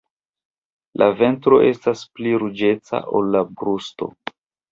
La ventro estas pli ruĝeca ol la brusto.